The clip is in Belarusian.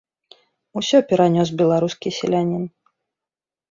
Усё перанёс беларускі селянін.